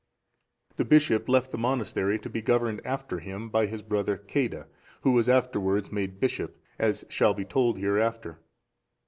The bishop left the monastery to be governed after him by his brother Ceadda,(429) who was afterwards made bishop, as shall be told hereafter.